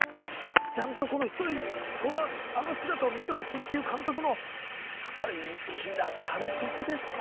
ちゃんとこの一人あの姿を見てほしいっていう監督の計らい粋な監督ですなあ。